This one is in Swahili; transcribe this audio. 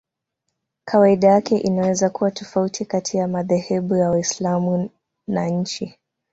Kawaida yake inaweza kuwa tofauti kati ya madhehebu ya Waislamu na nchi.